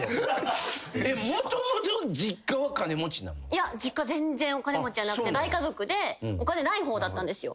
いや実家全然お金持ちじゃなくて大家族でお金ない方だったんですよ。